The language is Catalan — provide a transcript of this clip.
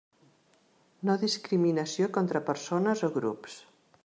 No discriminació contra persones o grups.